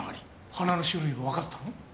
花の種類はわかったの？